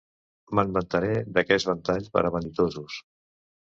Me'n vantaré, d'aquest ventall per a vanitosos.